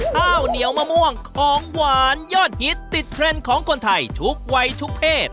ข้าวเหนียวมะม่วงของหวานยอดฮิตติดเทรนด์ของคนไทยทุกวัยทุกเพศ